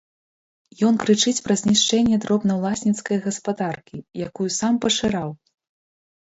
Ён крычыць пра знішчэнне дробнаўласніцкае гаспадаркі, якую сам пашыраў!